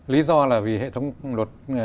lý do là vì hệ thống luật